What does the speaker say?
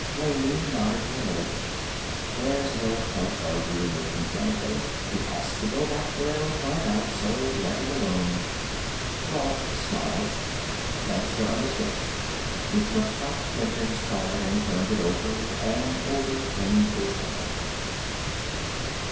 Laney nodded her head. "There's no point arguing with him, Kanaday. He has to go back there and find out, so let him alone." Rolf smiled. "Thanks for understanding." He took out Quinton's card and turned it over and over in his hand.